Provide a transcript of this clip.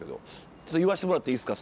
ちょっと言わせてもらっていいですか？